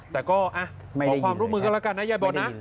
แต่ก็แบบขอความร่วมร่วมภัยกันแล้วกันนะใยบน